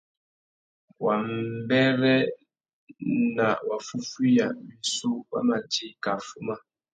Wambêrê na waffúffüiya wissú wa ma djï kā fuma.